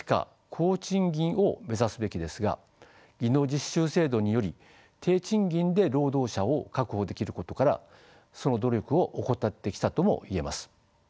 高賃金を目指すべきですが技能実習制度により低賃金で労働者を確保できることからその努力を怠ってきたとも言えます。